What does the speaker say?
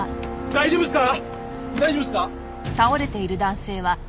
大丈夫ですか？